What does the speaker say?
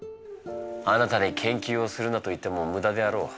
あなたに研究をするなと言っても無駄であろう。